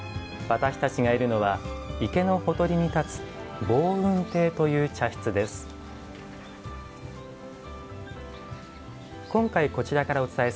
私たちがいるのは池のほとりに建つ望雲亭という茶室です。